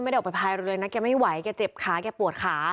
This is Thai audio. ออกไปพายเรือนะแกไม่ไหวแกเจ็บขาแกปวดขา